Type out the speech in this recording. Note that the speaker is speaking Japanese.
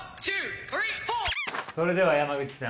それでは山口さん